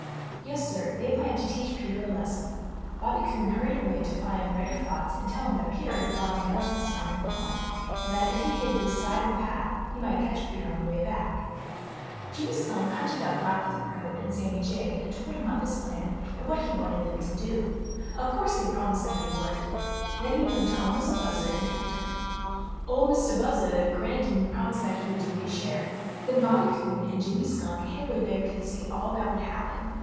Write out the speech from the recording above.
Yes, Sir, they planned to teach Peter a lesson. Bobby Coon hurried away to find Reddy Fox and tell him that Peter had gone down to the Smiling Pool, and that if he hid beside the path, he might catch Peter on the way back. Jimmy Skunk hunted up Blacky the Crow and Sammy Jay and told them of his plan and what he 382 IN THE NURSERY wanted them to do. Of course they promised that they would. Then he went to 01' Mistah Buzzard and told him. Or Mistah Buzzard grinned and promised that he would do his share. Then Bobby Coon and Jimmy Skunk hid where they could see all that would happen.